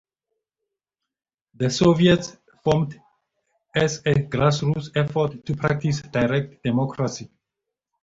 The soviets formed as a grassroots effort to practice direct democracy.